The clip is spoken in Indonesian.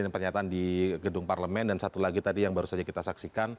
ini pernyataan di gedung parlemen dan satu lagi tadi yang baru saja kita saksikan